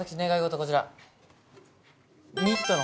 こちら。